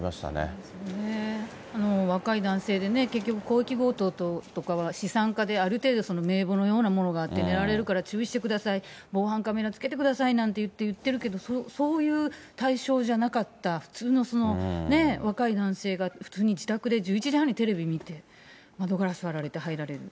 そうですね、若い男性でね、結局、広域強盗とかって資産家で、ある程度名簿のようなものがあって狙われるから注意してください、防犯カメラ付けてくださいなんて言っているけど、そういう対象じゃなかった、普通のね、若い男性が普通に自宅で１１時ごろにテレビ見てて、窓ガラス割られて入られる。